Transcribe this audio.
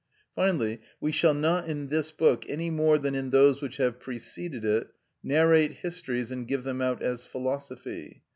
Finally, we shall not in this book, any more than in those which have preceded it, narrate histories and give them out as philosophy.